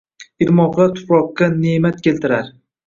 Irmoqlar tuproqqa ne’mat keltirar